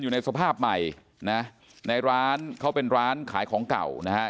อยู่ในสภาพใหม่นะในร้านเขาเป็นร้านขายของเก่านะฮะ